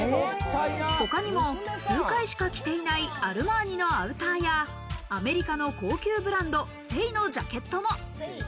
他にも数回しか着ていないアルマーニのアウターやアメリカの高級ブランド、セイのジャケットも。